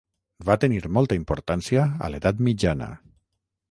Va tenir molta importància a l'edat mitjana.